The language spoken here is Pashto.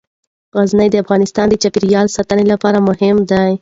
غزني د افغانستان د چاپیریال ساتنې لپاره مهم دي.